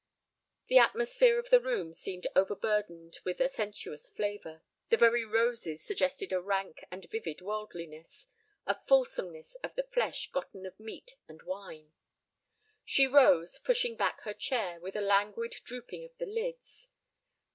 The atmosphere of the room seemed overburdened with a sensuous flavor. The very roses suggested a rank and vivid worldliness, a fulsomeness of the flesh gotten of meat and wine. She rose, pushing back her chair, with a languid drooping of the lids.